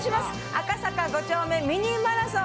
赤坂５丁目ミニマラソン。